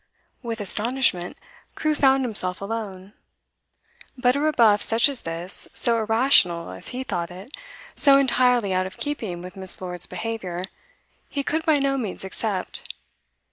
With astonishment, Crewe found himself alone. But a rebuff such as this, so irrational as he thought it, so entirely out of keeping with Miss. Lord's behaviour, he could by no means accept.